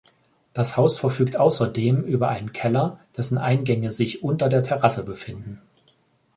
Das Haus verfügt ausserdem über einen Keller, dessen Eingänge sich unter der Terrasse befinden.